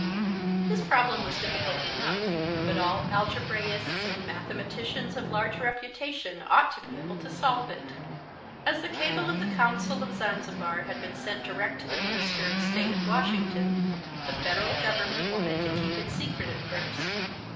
This problem was difficult enough, but all algebraists and mathematicians of large reputation ought to be able to solve it. As the cable of the Consul of Zanzibar had been sent direct to the Minister of State at Washington, the Federal Government wanted to keep it secret at first.